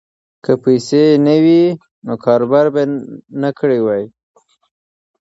که پیسې یې نه وی، کاروبار به یې نه کړی وای.